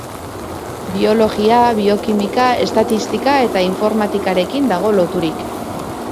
Biologia, biokimika, estatistika eta informatikarekin dago loturik.